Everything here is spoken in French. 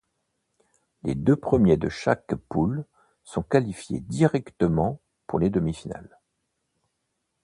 Les deux premiers de chaque poules sont qualifiés directement pour les demi-finales.